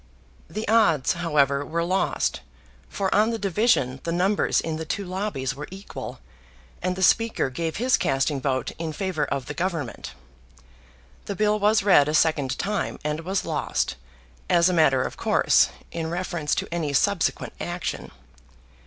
The odds, however, were lost, for on the division the numbers in the two lobbies were equal, and the Speaker gave his casting vote in favour of the Government. The bill was read a second time, and was lost, as a matter of course, in reference to any subsequent action.